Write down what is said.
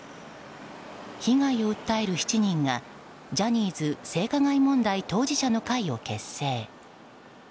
被害を訴える７人がジャニーズ性加害問題当事者の会を結成。